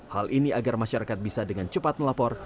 hal ini agar masyarakat bisa dengan cepat melapor